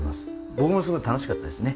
僕もすごい楽しかったですね。